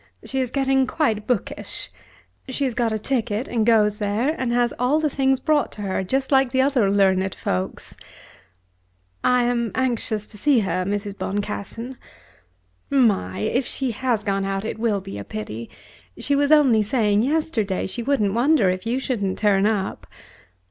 She is getting quite bookish. She has got a ticket, and goes there, and has all the things brought to her just like the other learned folks." "I am anxious to see her, Mrs. Boncassen." "My! If she has gone out it will be a pity. She was only saying yesterday she wouldn't wonder if you shouldn't turn up."